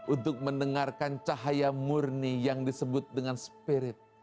untuk mendengarkan cahaya murni yang disebut dengan spirit